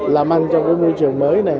làm ăn trong môi trường mới này